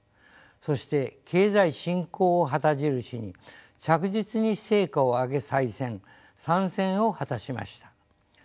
そして経済振興を旗印に着実に成果を上げ再選３選を果たしました。